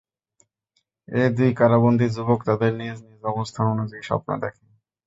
এ দুই কারাবন্দী যুবক তাদের নিজ নিজ অবস্থান অনুযায়ী স্বপ্ন দেখে।